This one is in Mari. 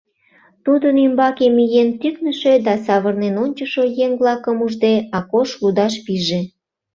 Тудын ӱмбаке миен тӱкнышӧ да савырнен ончышо еҥ-влакым ужде, Акош лудаш пиже.